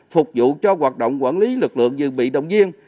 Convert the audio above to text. phục vụ cho hoạt động quản lý lực lượng dự bị động viên